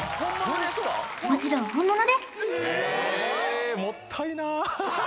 もちろん本物ですええー！